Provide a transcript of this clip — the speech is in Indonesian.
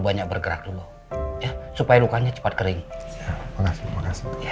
banyak bergerak dulu ya supaya lukanya cepat kering makasih makasih ya